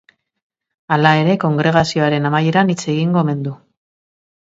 Hala ere, kongregazioaren amaieran hitz egingo omen du.